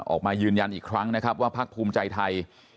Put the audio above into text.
ออกมายืนยันอีกครั้งนะครับว่าพักภูมิใจไทย